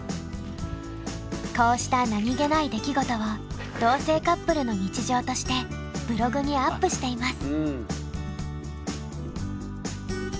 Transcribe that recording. こうした何気ない出来事を同性カップルの日常としてブログにアップしています。